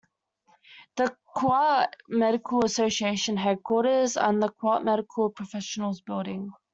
The Kuwait Medical Association headquarters are in the Kuwait Medical Professionals building.